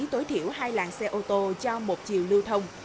tối thiểu hai làng xe ô tô cho một chiều lưu thông